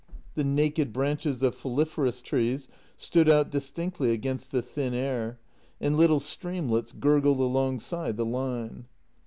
The naked branches of foliferous trees stood out dis tinctly against the thin air, and little streamlets gurgled along side the line.